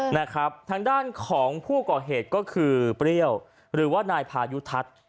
นะครับทางด้านของผู้ก่อเหตุก็คือเปรี้ยวหรือว่านายพายุทัศน์